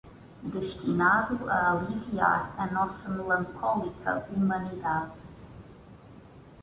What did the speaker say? destinado a aliviar a nossa melancólica humanidade